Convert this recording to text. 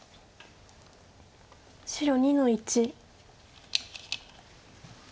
白２の一。